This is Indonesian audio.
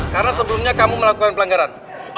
karena sebelumnya kamu melakukan pelanggaran